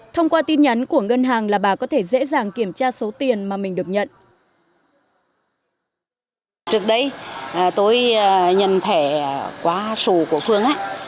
thông qua tin nhắn của ngân hàng là bà có thể dễ dàng kiểm tra số tiền mà mình được nhận